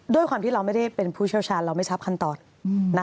ด้วยความที่เราไม่ได้เป็นผู้เชี่ยวชาญเราไม่ทราบขั้นตอน